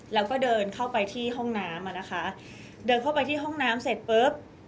แล้วก็เดินเข้าไปที่ห้องน้ำอ่ะนะคะเดินเข้าไปที่ห้องน้ำเสร็จปุ๊บ